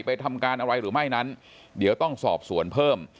ทำการอะไรหรือไม่นั้นเดี๋ยวต้องสอบสวนเพิ่ม